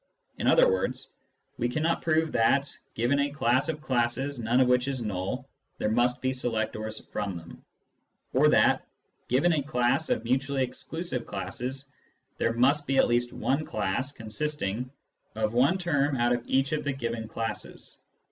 In other words, we cannot prove that, given a class of classes none of which is null, there must be selectors from them ; or that, given a class of mutually exclusive classes, there must be at least one class consisting of one term out of each of the given classes.